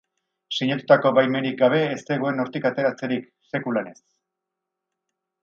Sinatutako baimenik gabe ez zegoen hortik ateratzerik, sekulan ez.